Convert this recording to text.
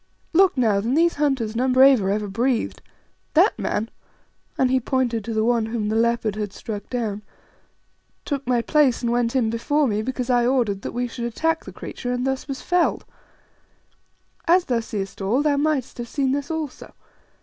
Look now, than these hunters none braver ever breathed. That man" and he pointed to the one whom the leopard had struck down "took my place and went in before me because I ordered that we should attack the creature, and thus was felled. As thou seest all, thou mightest have seen this also.